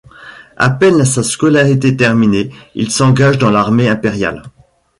À peine sa scolarité terminée, il s'engage dans l'armée impériale.